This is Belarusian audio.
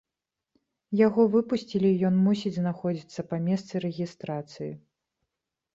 Яго выпусцілі і ён мусіць знаходзіцца па месцы рэгістрацыі.